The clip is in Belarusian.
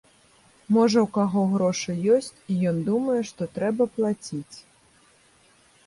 Можа, у каго грошы ёсць, і ён думае, што трэба плаціць.